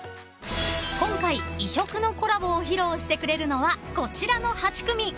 ［今回異色のコラボを披露してくれるのはこちらの８組］